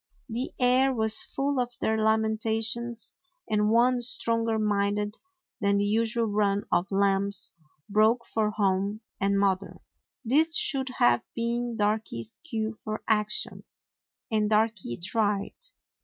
The air was full of their lamentations, and one stronger minded than the usual run of lambs broke for home and mother. This should have been Darky's cue for action, and Darky tried.